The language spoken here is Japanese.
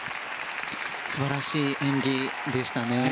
素晴らしい演技でしたね。